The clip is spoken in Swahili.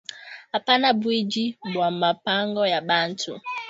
Apana bwiji bwa ma pango ya bantu